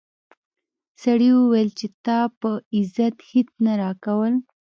سړي وویل چې تا په عزت هیڅ نه راکول.